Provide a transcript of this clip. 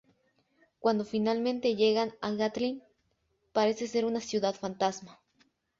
Cuando finalmente llegan a Gatlin, parece ser una ciudad fantasma.